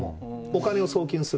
お金を送金する。